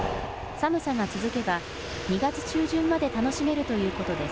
寒さが続けば２月中旬まで楽しめるということです。